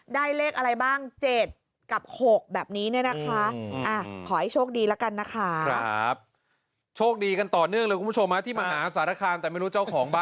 ได้เลขอะไรบ้าง๗กับ๖แบบนี้นะคะ